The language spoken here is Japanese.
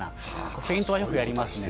フェイントよくやりますね。